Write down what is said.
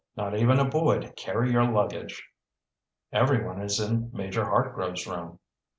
Not even a boy to carry your luggage!" "Everyone is in Major Hartgrove's room."